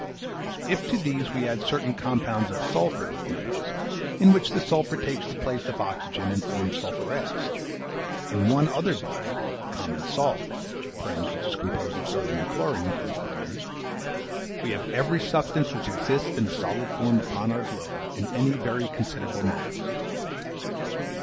If to these we add certain compounds of sulphur with metals, in which the sulphur takes the place of oxygen, and forms sulphurets, and one other body, common salt, (which is a compound of sodium and chlorine), we have every substance which exists in a solid form upon our globe in any very considerable mass.